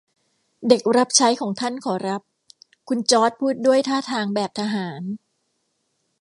เด็กรับใช้ของท่านขอรับ คุณจอร์จพูดด้วยท่าทางแบบทหาร